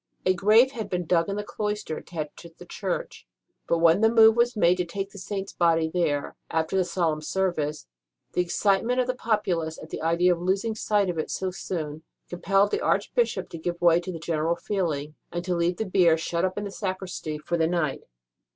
A grave had been dug in the cloister attached to the church ; but when the move was made to take the Saint s body there, after the solemn service, the excitement of the populace at the idea of losing sight of it so soon compelled the Archbishop to give way to the general feeling, and to leave the bier shut up in the sacristy for the night.